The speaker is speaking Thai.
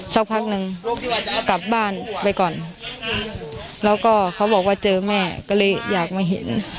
สักพักหนึ่งกลับบ้านไปก่อนแล้วก็เขาบอกว่าเจอแม่ก็เลยอยากมาเห็น